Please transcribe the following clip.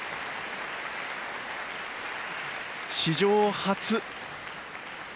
史上初。